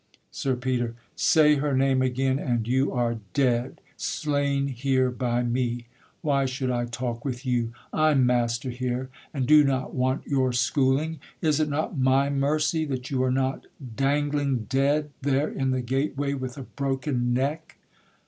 SIR PETER. Say her name Again, and you are dead, slain here by me. Why should I talk with you? I'm master here, And do not want your schooling; is it not My mercy that you are not dangling dead There in the gateway with a broken neck?